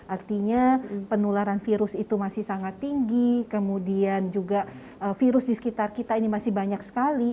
artinya penularan virus itu masih sangat tinggi kemudian juga virus di sekitar kita ini masih banyak sekali